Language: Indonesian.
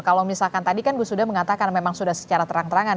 kalau misalkan tadi kan gus sudah mengatakan memang sudah secara terang terangan